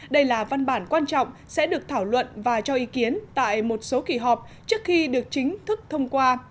đây là văn bản quan trọng sẽ được thảo luận và cho ý kiến tại một số kỳ họp trước khi được chính thức thông qua